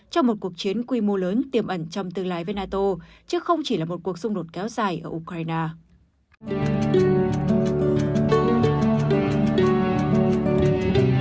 trong một cuộc chiến quy mô lớn tiềm ẩn trong tương lai với nato chứ không chỉ là một cuộc xung đột kéo dài ở ukraine